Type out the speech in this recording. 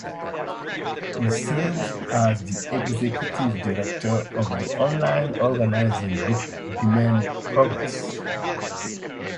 He serves as the executive director of the online organizing group Demand Progress.